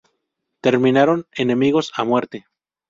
Terminaron enemigos a muerte.